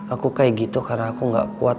aku kayak gitu karena aku gak kuat